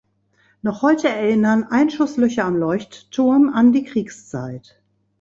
Noch heute erinnern Einschusslöcher am Leuchtturm an die Kriegszeit.